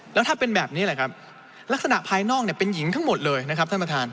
แล้วถ้าเป็นแบบนี้แหละครับลักษณะภายนอกเนี่ยเป็นหญิงทั้งหมดเลยนะครับท่านประธาน